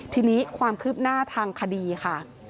ทีนี้ความคืบหน้าทางคดีค่ะ